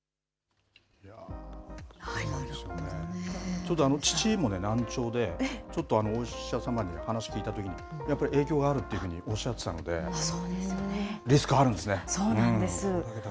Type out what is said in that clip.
ちょうど父も難聴で、ちょっとお医者様に話聞いたときに、やっぱり影響があるっていうふうにおっしゃってたので、リスクあそうなんです。